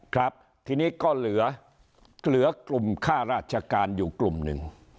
ครับทีนี้ก็เหลือกลุ่มค่าราชการอยู่กลุ่มหนึ่ง